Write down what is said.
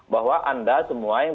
bahwa anda semua yang